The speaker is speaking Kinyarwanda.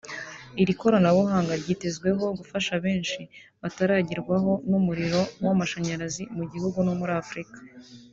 Iri koranabuhanga ryitezweho gufasha benshi bataragerwaho n’umuriro w’amashanyarazi mu gihugu no muri Afurika